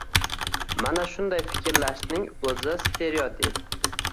Mana shunday fikrlashning o`zi stereotip